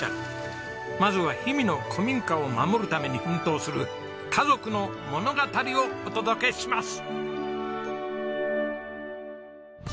まずは氷見の古民家を守るために奮闘する家族の物語をお届けします。